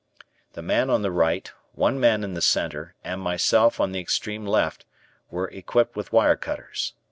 The man on the right, one man in the center, and myself on the extreme left were equipped with wire cutters.